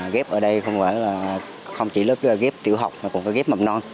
ghép ở đây không chỉ lớp ghép tiểu học mà còn có ghép mập non